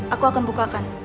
aku akan bukakan